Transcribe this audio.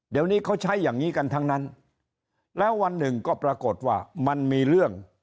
เดี๋ยวนี้เขาใช้อย่างนี้กันทั้งนั้นแล้ววันหนึ่งก็ปรากฏว่ามันมีเรื่อง